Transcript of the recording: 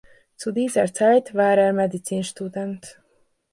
Zu dieser Zeit war er Medizinstudent.